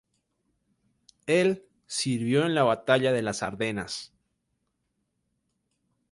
Él sirvió en la Batalla de las Ardenas.